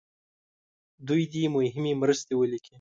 دوی دې مهمې مرستې ولیکي.